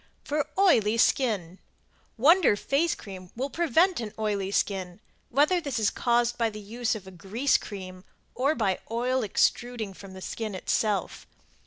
FOR OILY SKIN Wonder Face Cream will prevent an oily skin, whether this is caused by the use of a grease cream, or by oil extuding from the skin itself.